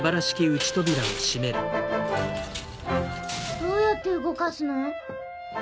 どうやって動かすの？